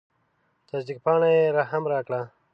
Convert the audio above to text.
تصدیق پاڼه یې هم راکړه.